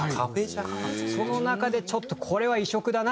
その中でちょっとこれは異色だなっていう曲を。